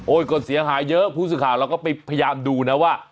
ก็เสียหายเยอะผู้สื่อข่าวเราก็ไปพยายามดูนะว่า